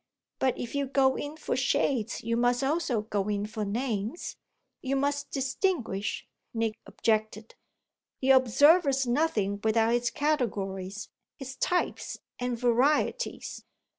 "But if you go in for shades you must also go in for names. You must distinguish," Nick objected. "The observer's nothing without his categories, his types and varieties."